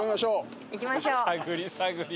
探り探り。